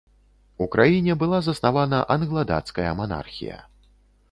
У краіне была заснавана англа-дацкая манархія.